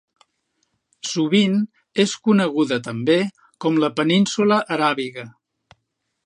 Sovint, és coneguda també com la península Aràbiga.